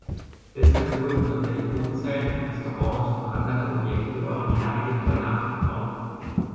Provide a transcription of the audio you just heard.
Deshalb wurden dort Telefonzellen, Restaurants und andere Objekte originalgetreu nachgebaut.